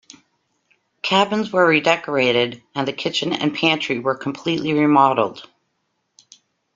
Cabins were redecorated, and the kitchen and pantry were completely remodeled.